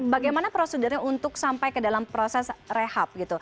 bagaimana prosedurnya untuk sampai ke dalam proses rehab gitu